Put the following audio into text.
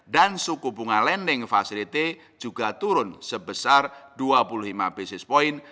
dan suku bunga lending facility juga turun sebesar dua puluh lima basis point